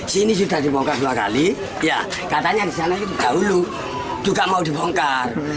sini sudah dibongkar dua kali katanya disana dahulu juga mau dibongkar